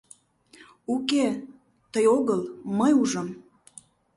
Уке, тый огыл, мый ужым.